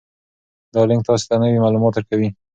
دا لینک تاسي ته نوي معلومات درکوي.